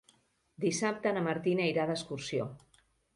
Dissabte na Martina irà d'excursió.